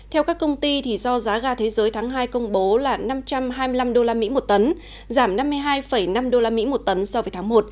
theo các công ty do giá ga thế giới tháng hai công bố là năm trăm hai mươi năm usd một tấn giảm năm mươi hai năm usd một tấn so với tháng một